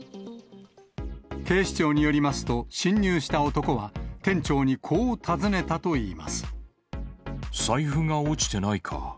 警視庁によりますと、侵入した男は、財布が落ちてないか。